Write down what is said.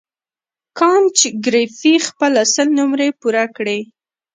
کانت ګریفي خپله سل نمرې پوره کړې.